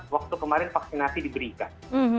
waktu kemarin vaksinasi diberikan